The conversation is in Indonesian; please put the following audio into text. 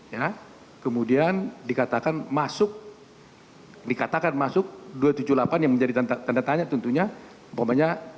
ya kemudian dikatakan masuk dikatakan masuk dua ratus tujuh puluh delapan yang menjadi tanda tanya tentunya umpamanya